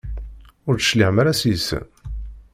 Ur d-tecliɛem ara seg-sen?